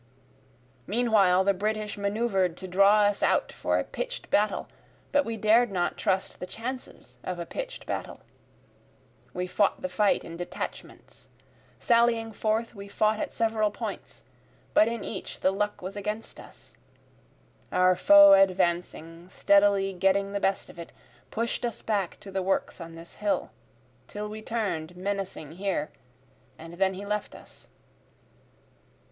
Meanwhile the British manœuvr'd to draw us out for a pitch'd battle, But we dared not trust the chances of a pitch'd battle. We fought the fight in detachments, Sallying forth we fought at several points, but in each the luck was against us, Our foe advancing, steadily getting the best of it, push'd us back to the works on this hill, Till we turn'd menacing here, and then he left us.